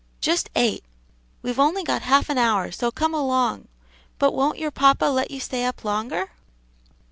"Just eight! we've only got half an hour; so come along. But won't your papa let you stay up longer?"